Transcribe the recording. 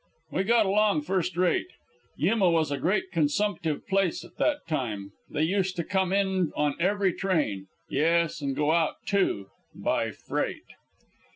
We got along first rate. Yuma was a great consumptive place at that time. They used to come in on every train; yes, and go out, too by freight.